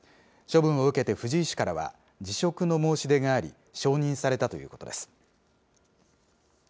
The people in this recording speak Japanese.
処分を受けて藤井氏からは辞職の申し出があり、承認されたということです。